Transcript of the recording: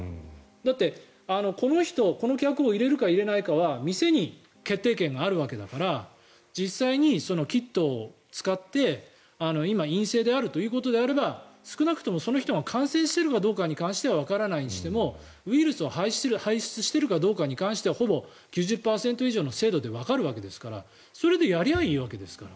だって、この人この客を入れるか入れないかは店に決定権があるわけだから実際にキットを使って今、陰性であるということであれば少なくともその人が感染してるかどうかに関してはわからないにしてもウイルスを排出しているかどうかに関してはほぼ９０％以上の精度でわかるわけですからそれでやりゃあいいわけですから。